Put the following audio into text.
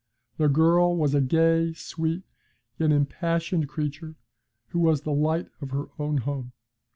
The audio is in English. The girl was a gay, sweet, yet impassioned creature who was the light of her own home.